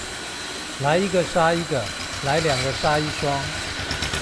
來一個殺一個、來兩個殺一雙